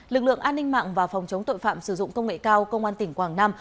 lực lượng an ninh mạng và phòng chống tội phạm sử dụng công nghệ cao công an tỉnh quảng nam